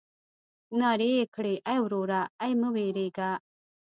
نارې يې کړې ای وروره ای مه وېرېږه.